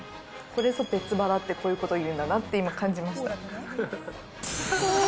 これぞ別腹って、こういうこと言うんだなって感じました。